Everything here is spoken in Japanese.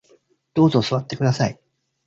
どうぞ座ってください